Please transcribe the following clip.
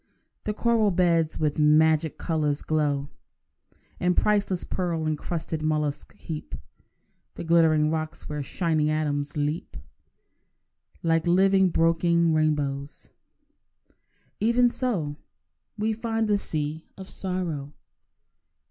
The coral beds with magic colours glow, And priceless pearl encrusted molluscs heap The glittering rocks where shining atoms leap Like living broken rainbows. Even so We find the sea of sorrow.